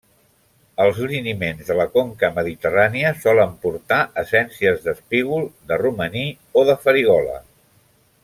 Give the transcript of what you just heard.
Els liniments de la conca mediterrània solen portar essències d'espígol, de romaní o de farigola.